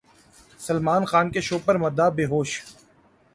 سلمان خان کے شو پر مداح بےہوش